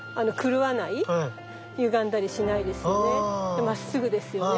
でまっすぐですよね。